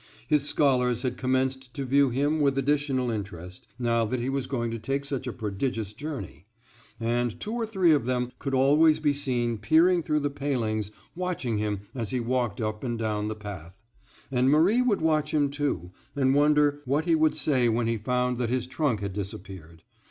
His scholars had commenced to view him with additional interest, now that he was going to take such a prodigious journey; and two or three of them could always be seen peering through the palings, watching him as he walked up and down the path; and Marie would watch him too, and wonder what he would say when he found that his trunk had disappeared.